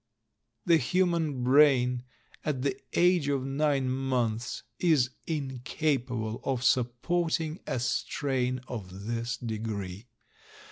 The human brain at the age of nine months is incapable of supporting a strain of this degree.